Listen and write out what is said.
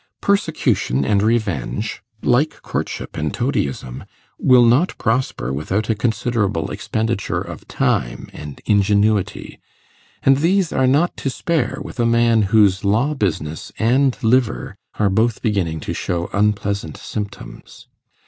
Persecution and revenge, like courtship and toadyism, will not prosper without a considerable expenditure of time and ingenuity, and these are not to spare with a man whose law business and liver are both beginning to show unpleasant symptoms.